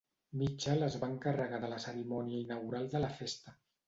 Mitchell es va encarregar de la cerimònia inaugural de la festa.